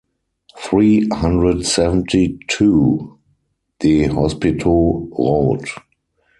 Three hundred seventy-two des Hôpitaux Road